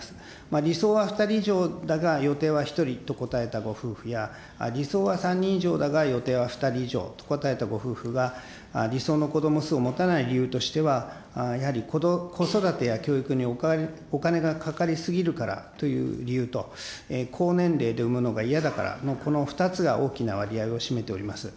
理想は２人以上だが、予定は１人と答えたご夫婦や、理想は３人以上だが、予定は２人以上と答えたご夫婦が、理想のこども数を持たない理由としては、やはり子育てや教育にお金がかかり過ぎるからという理由と、高年齢で産むのが嫌だからの、この２つが大きな割合を占めております。